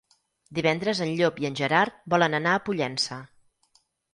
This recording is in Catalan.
Divendres en Llop i en Gerard volen anar a Pollença.